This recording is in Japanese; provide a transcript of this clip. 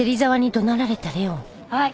はい。